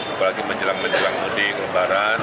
apalagi menjelang menjelang di kembaran